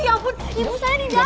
ya ampun ibu saya di dalam